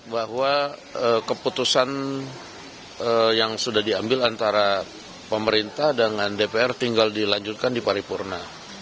bahwa keputusan yang sudah diambil antara pemerintah dengan dpr tinggal dilanjutkan di paripurna